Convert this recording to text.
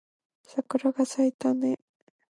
桜が咲いたね